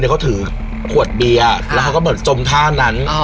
ในเขาถือแคปขวดเบียอ่าแล้วเขาก็เหมือนจมท่าเนนั้นอ๋อ